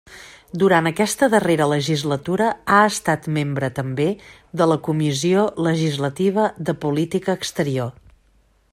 Durant aquesta darrera legislatura ha estat membre també de la Comissió Legislativa de Política Exterior.